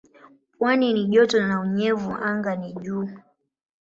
Pwani ni joto na unyevu anga ni juu.